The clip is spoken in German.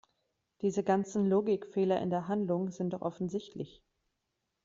Diese ganzen Logikfehler in der Handlung sind doch offensichtlich!